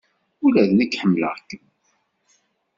Ula d nekk ḥemmleɣ-kem.